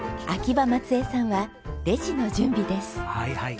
秋葉松江さんはレジの準備です。